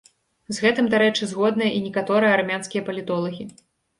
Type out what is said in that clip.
З гэтым, дарэчы, згодныя і некаторыя армянскія палітолагі.